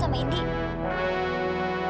jangan enging di tempat lain